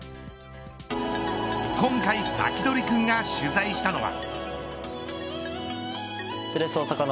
今回サキドリくんが取材したのは。